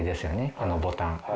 あのボタン。